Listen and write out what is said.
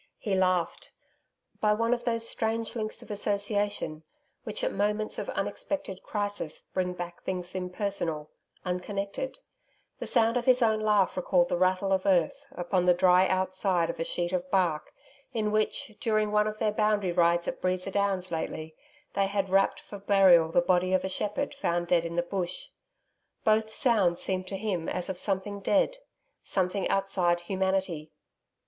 He laughed. By one of those strange links of association, which at moments of unexpected crisis bring back things impersonal, unconnected, the sound of his own laugh recalled the rattle of earth, upon the dry outside of a sheet of bark in which, during one of their boundary rides at Breeza Downs lately, they had wrapped for burial the body of a shepherd found dead in the bush. Both sounds seemed to him as of something dead something outside humanity.